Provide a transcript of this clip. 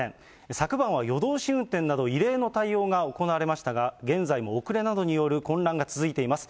昨晩は夜通し運転など、異例の対応が行われましたが、現在も遅れなどによる混乱が続いています。